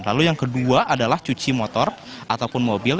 lalu yang kedua adalah cuci motor ataupun mobil